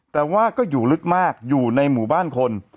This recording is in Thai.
แต่ว่าก็อยู่ลึกมากอยู่ในหมู่บ้านคน